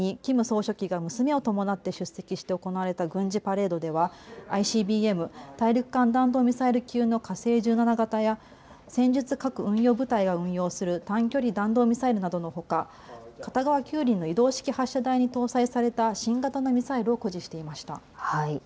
さらに軍の創設７５年となった８日にキム総書記が娘を伴って出席して行われた軍事パレードではＩＣＢＭ・大陸間弾道ミサイル級の火星１７型や、戦術核運用部隊が運用する短距離弾道ミサイルなどのほか片側９輪の移動式発射台に搭載された新型のミサイルを誇示していました。